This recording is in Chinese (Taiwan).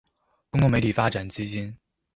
公共媒體發展基金